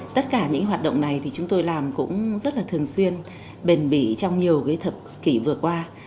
tất cả những hoạt động này thì chúng tôi làm cũng rất là thường xuyên bền bỉ trong nhiều thập kỷ vừa qua